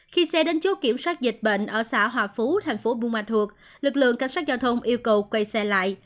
khi xe đến chốt kiểm soát dịch bệnh ở xã hòa phú thành phố buôn ma thuột lực lượng cảnh sát giao thông yêu cầu quay xe lại